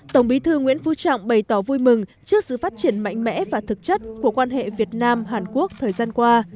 tổng bí thư nguyễn phú trọng bày tỏ vui mừng trước sự phát triển mạnh mẽ và thực chất của quan hệ việt nam hàn quốc thời gian qua